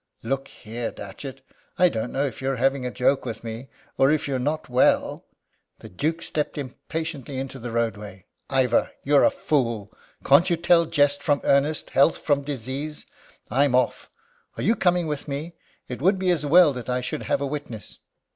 "Look here, Datchet, I don't know if you're having a joke with me, or if you're not well " The Duke stepped impatiently into the roadway. "Ivor, you're a fool! Can't you tell jest from earnest, health from disease? I'm off! Are you coming with me? It would be as well that I should have a witness."